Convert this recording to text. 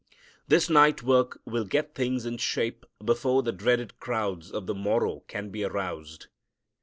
This night work will get things in shape before the dreaded crowds of the morrow can be aroused.